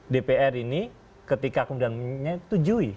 dpr ini ketika kemudian menyetujui